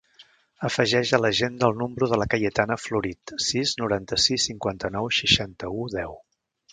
Afegeix a l'agenda el número de la Cayetana Florit: sis, noranta-sis, cinquanta-nou, seixanta-u, deu.